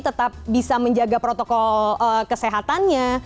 tetap bisa menjaga protokol kesehatannya